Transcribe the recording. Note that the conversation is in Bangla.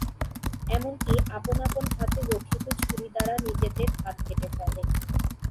এমনকি আপন আপন হাতে রক্ষিত ছুরি দ্বারা নিজেদের হাত কেটে ফেলে।